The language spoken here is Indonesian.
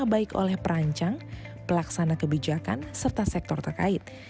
baik oleh perancang pelaksana kebijakan serta sektor terkait